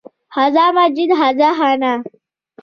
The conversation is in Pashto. هذا مسجد، هذا خانه